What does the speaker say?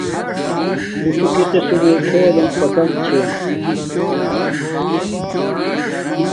تو شوہ کی قسم میݵ کیھلونݣ پسند چھے